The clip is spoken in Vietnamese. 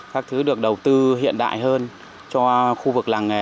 các thứ được đầu tư hiện đại hơn cho khu vực làng nghề